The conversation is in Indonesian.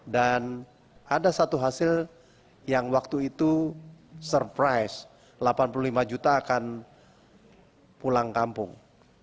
dan ada satu hasil yang waktu itu surprise delapan puluh lima juta akan pulang kampung